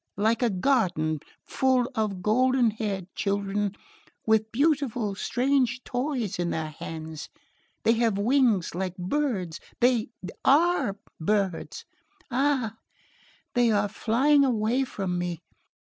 like a garden...full of golden haired children...with beautiful strange toys in their hands...they have wings like birds...they ARE birds...ah! they are flying away from me...